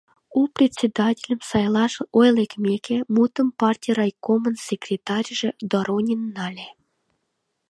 ...У председательым сайлаш ой лекмеке, мутым партий райкомын секретарьже, Доронин, нале.